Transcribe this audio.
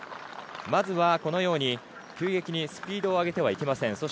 まずはこのように急激にスピードを上げてはいけません。